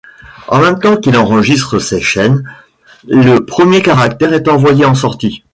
En même temps qu’il enregistre ces chaînes, le premier caractère est envoyé en sortie.